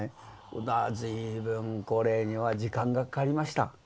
だから随分これには時間がかかりました。